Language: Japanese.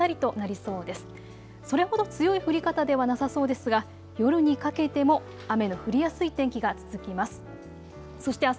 それほど強い降り方ではなさそうですが夜にかけても雨の降りやすい天気が続きます。